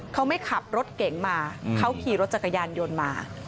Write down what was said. เขาไม่ขับรถเก๋งมาเขาขี่รถจักรยานยนต์มา